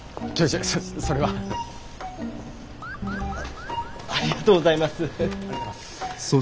ありがとうございます。